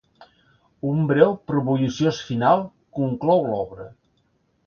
Un breu però bulliciós final conclou l'obra.